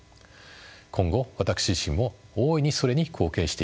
今後私自身も大いにそれに貢献していきたい